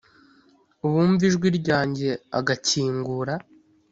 Uwumva ijwi ryanjye agakingura